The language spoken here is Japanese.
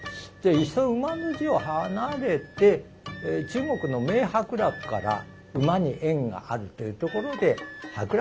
いっそ「馬」の字を離れて中国の名伯楽から「馬」に縁があるというところで「伯楽」